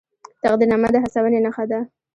تقدیرنامه د هڅونې نښه ده